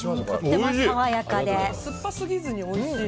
すっぱすぎずにおいしい。